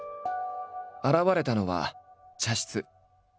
現れたのは茶室。